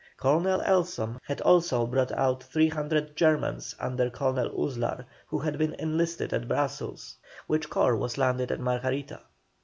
Colonel Elsom had also brought out 300 Germans under Colonel Uzlar, who had been enlisted at Brussels, which corps was landed at Margarita.